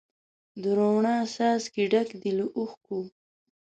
د روڼا څاڅکي ډک دي له اوښکو